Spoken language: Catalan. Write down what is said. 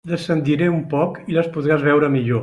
Descendiré un poc i les podràs veure millor.